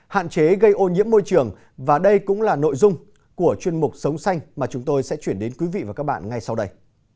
hạn chế gây ô nhiễm môi trường và đây cũng là nội dung của chuyên mục sống xanh mà chúng tôi sẽ chuyển đến quý vị và các bạn ngay sau đây